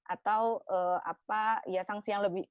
atau apa ya sanksi yang lebih